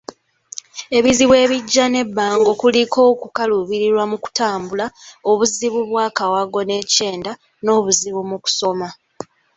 Ebizibu ebijja n'ebbango kuliko okukaluubirirwa mu kutambula, obuzibu bw'akawago n'ekyenda, n'obuzibu mu kusoma